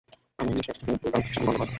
আমার নিষ্পাপ শিশুদের ভুল-বাল শেখানো বন্ধ কর।